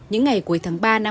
đường sắt của ngành đường sắt